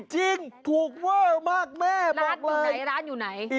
จริงถูกเวอร์มากแม่บ้านอยู่ไหนร้านอยู่ไหน